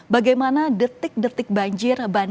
bagaimana detik detik banjir berlaku dalaminsi